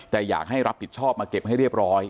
แต่อยากให้รับผิดชอบมาเก็บให้เรียบร้อย